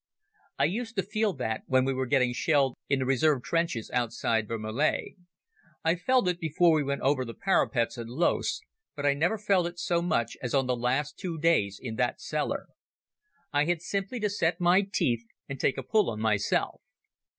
I used to feel that when we were getting shelled in the reserve trenches outside Vermelles. I felt it before we went over the parapets at Loos, but I never felt it so much as on the last two days in that cellar. I had simply to set my teeth and take a pull on myself.